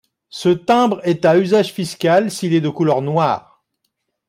Ce timbre est à usage fiscal s'il est de couleur noire.